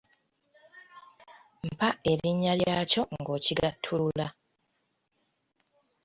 Mpa erinnya lyakyo nga okigattulula.